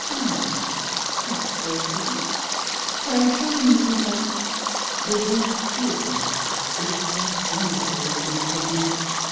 *"' Ah I that'll a great pity ; for I assure yon, Mias Woodhouse^ where the waters do agree, it is quite wonderful the relief they give.